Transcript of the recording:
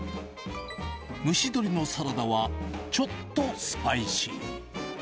蒸し鶏のサラダはちょっとスパイシー。